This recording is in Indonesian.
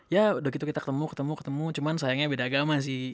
ya udah gitu kita ketemu ketemu ketemu cuman sayangnya beda agama sih